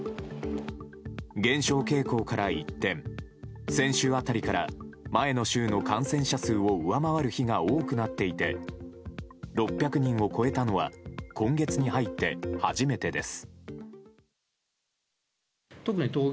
減少傾向から一転、先週辺りから前の週の感染者数を上回る日が多くなっていて６００人を超えたのは今月に入って初めてです。